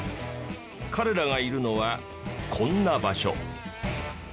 彼らがいるのはこんな場所。